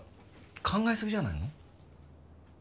考えすぎじゃないの？